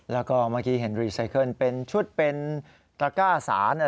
แล้วก็เห็นรีไซเคิลชุดเป็นกระก้าสาน